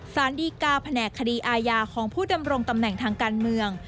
สารดีกาแผนกคดีอาญาของผู้ดำรงตำแหน่งทางการเมือง